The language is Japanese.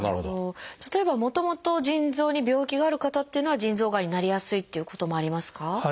例えばもともと腎臓に病気がある方っていうのは腎臓がんになりやすいっていうこともありますか？